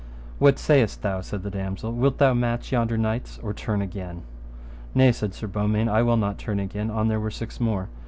What sayest thou, said the damosel, wilt thou match yonder knights or turn again? Nay, said Sir Beaumains, I will not turn again an they were six more.